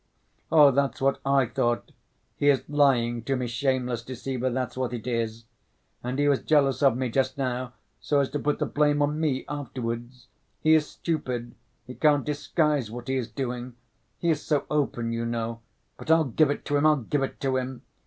"Oh, that's what I thought! He is lying to me, shameless deceiver, that's what it is! And he was jealous of me just now, so as to put the blame on me afterwards. He is stupid, he can't disguise what he is doing; he is so open, you know.... But I'll give it to him, I'll give it to him!